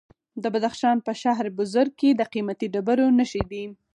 د بدخشان په شهر بزرګ کې د قیمتي ډبرو نښې دي.